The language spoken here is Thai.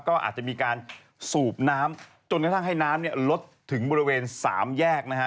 ก็อาจจะมีการสูบน้ำจนกระทั่งให้น้ำเนี่ยลดถึงบริเวณสามแยกนะฮะ